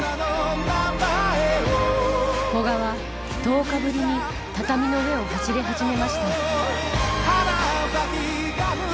古賀は、１０日ぶりに畳の上を走り始めました。